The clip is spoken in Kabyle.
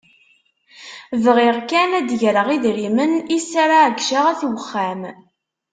Bɣiɣ kan ad d-greɣ idrimen iss ara εeyyceɣ ayt uxxam.